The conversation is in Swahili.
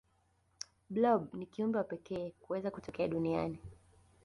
blob ni kiumbe wa pekee kuweza kutokea duniani